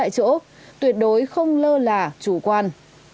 chỗ tuyệt đối không lơ là chủ quan